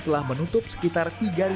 telah menutup sekitar tiga ribu tiga ratus